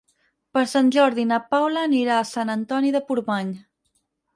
Per Sant Jordi na Paula anirà a Sant Antoni de Portmany.